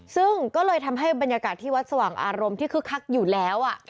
ซึ่งก็เลยทำให้บรรยากาศที่วัดสว่างอารมณ์ที่คึกคักอยู่แล้ว